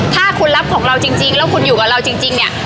ถ้าคุณรับของเราจริงแล้วคุณอยู่กับเราจริงเนี่ย